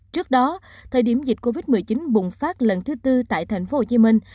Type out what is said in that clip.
trước đó thời điểm dịch covid một mươi chín bùng phát lần thứ tư tại thành phố hồ chí minh